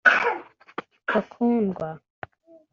bakundwa